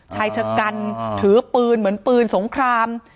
ชายชะกันถือปืนเหมือนปืนสงคราม